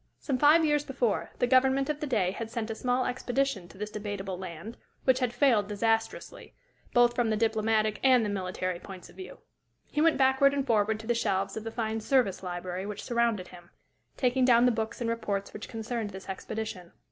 Some five years before, the government of the day had sent a small expedition to this Debatable Land, which had failed disastrously, both from the diplomatic and the military points of view. He went backward and forward to the shelves of the fine "Service" library which surrounded him, taking down the books and reports which concerned this expedition.